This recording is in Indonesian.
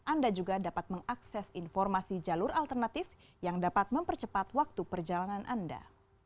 anda juga dapat mengakses informasi jalur alternatif yang dapat mempercepat waktu perjalanan anda